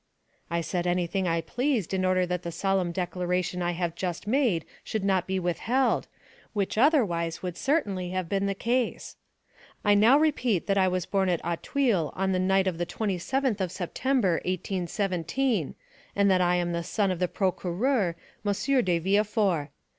"I said anything I pleased, in order that the solemn declaration I have just made should not be withheld, which otherwise would certainly have been the case. I now repeat that I was born at Auteuil on the night of the 27th of September, 1817, and that I am the son of the procureur, M. de Villefort.